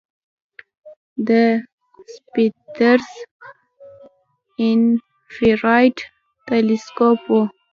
د سپیتزر انفراریډ تلسکوپ و.